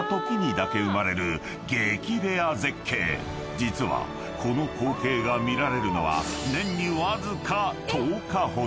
［実はこの光景が見られるのは年にわずか１０日ほど］